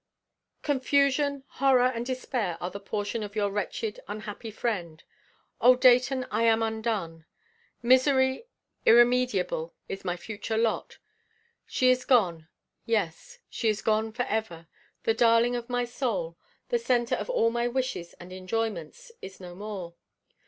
Confusion, horror, and despair are the portion of your wretched, unhappy friend. O Deighton, I am undone. Misery irremediable is my future lot. She is gone; yes, she is gone forever. The darling of my soul, the centre of all my wishes and enjoyments, is no more.